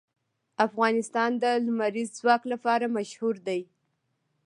افغانستان د لمریز ځواک لپاره مشهور دی.